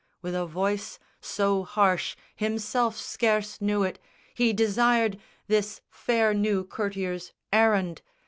With a voice So harsh himself scarce knew it, he desired This fair new courtier's errand.